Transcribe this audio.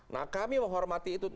nah kami menghormati itu